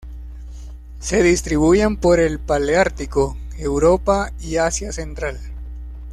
Se distribuyen por el paleártico: Europa y Asia Central.